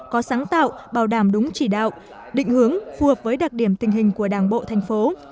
có sáng tạo bảo đảm đúng chỉ đạo định hướng phù hợp với đặc điểm tình hình của đảng bộ thành phố